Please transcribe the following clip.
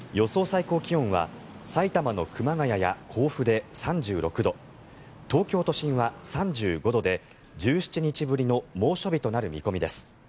最高気温は埼玉の熊谷や甲府で３６度東京都心は３５度で１７日ぶりの猛暑日となる見込みです。